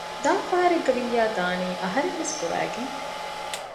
ދާ ފަހަރެއްގަ ވިއްޔާ ދާނީ އަހަރެންވެސް ގޮވައިގެން